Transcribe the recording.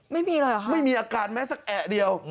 ไม่มีเลยเหรอคะไม่มีอาการแม้สักแอะเดียว